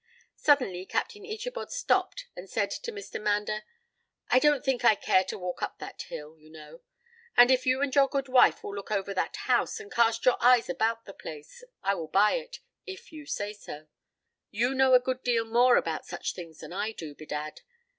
Suddenly Captain Ichabod stopped and said to Mr. Mander: "I don't think I care to walk up that hill, you know; and if you and your good wife will look over that house and cast your eyes about the place, I will buy it, if you say so: you know a good deal more about such things than I do, bedad.